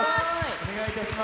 お願いいたします。